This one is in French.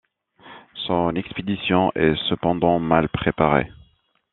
Son expédition est cependant mal préparée.